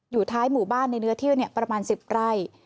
ท้ายหมู่บ้านในเนื้อที่ประมาณ๑๐ไร่